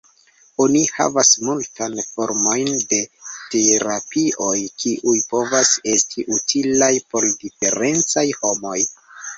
Oni havas multan formojn de terapioj, kiuj povas esti utilaj por diferencaj homoj.